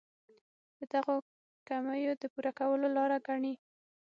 د دغو کمیو د پوره کولو لاره ګڼي.